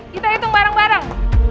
kita hitung bareng bareng